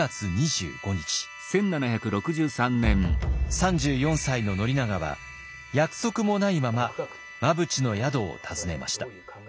３４歳の宣長は約束もないまま真淵の宿を訪ねました。